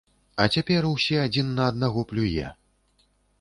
А цяпер усе адзін на аднаго плюе.